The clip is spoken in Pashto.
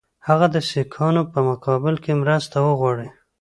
هغه د سیکهانو په مقابل کې مرسته وغواړي.